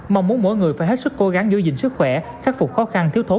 mong muốn mỗi người phải hết sức cố gắng giữ gìn sức khỏe khắc phục khó khăn thiếu thố